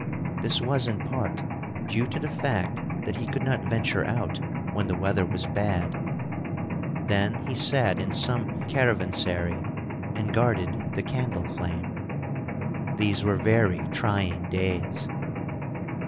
This was in part due to the fact that he could not venture out when the weather was bad. Then he sat in some caravansary, and guarded the candle flame. These were very trying days.